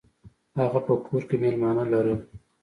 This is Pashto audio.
هغه په کور کې میلمانه لرل.